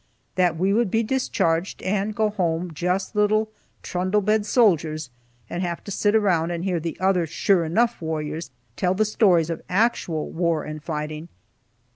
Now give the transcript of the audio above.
That we would be discharged, and go home just little "trundle bed soldiers," and have to sit around and hear other sure enough warriors tell the stories of actual war and fighting.